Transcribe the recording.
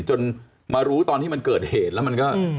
จนมารู้ตอนที่มันเกิดเหตุแล้วมันก็